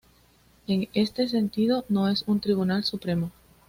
En este sentido, no es un tribunal supremo.